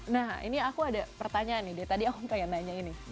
nah ini aku ada pertanyaan nih deh tadi aku kayak nanya ini